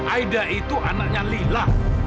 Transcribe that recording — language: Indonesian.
aida itu anaknya lila